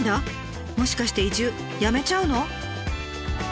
もしかして移住やめちゃうの？